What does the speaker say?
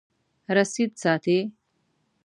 رسید ساتئ؟